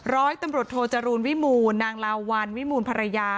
ร้อยตำรวจโทจรูลวิมูลนางลาวัลวิมูลภรรยา